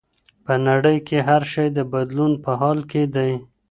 په نړۍ کي هر شی د بدلون په حال کي دی.